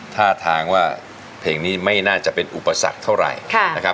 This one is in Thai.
ท่าทางว่าเพลงนี้ไม่น่าจะเป็นอุปสรรคเท่าไหร่นะครับ